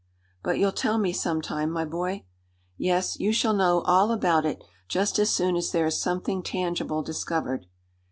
"But you'll tell me some time, my boy?" "Yes; you shall know all about it, just as soon as there is something tangible discovered."